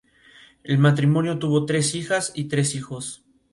El matrimonio tuvo tres hijas y tres hijos.